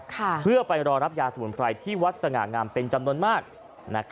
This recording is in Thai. เพื่อไปรอรับยาสมุนไพรที่วัดสง่างามเป็นจำนวนมาก